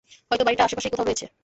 হয়তো বাড়িটা আশেপাশেই কোথাও রয়েছে।